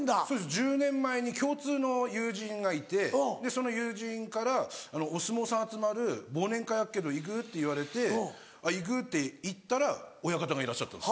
１０年前に共通の友人がいてその友人から「お相撲さん集まる忘年会あっけど行く？」って言われて「行く」って行ったら親方がいらっしゃった。